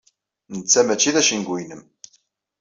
Netta mačči d acengu-inem.